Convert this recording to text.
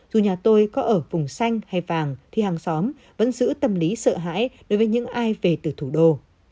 dù nhà tôi có ở vùng xanh hay vàng thì hàng xóm vẫn giữ tâm lý sợ hãi đối với những ai về từ thủ đô